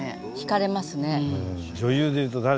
惹かれますね。